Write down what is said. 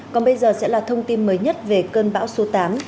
còn bây giờ sẽ là thông tin mới nhất về cơn bão số tám